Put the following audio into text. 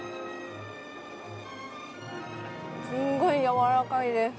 すごいやわらかいです。